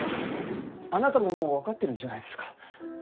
あなたももうわかってるんじゃないですか？